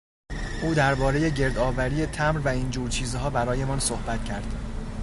او دربارهی گرد آوری تمبر و این جور چیزها برایمان صحبت کرد.